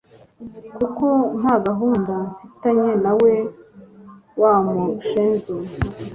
kuko ntagahunda mfitanye nawe wa mushenzi we